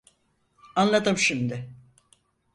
Anladım şimdi.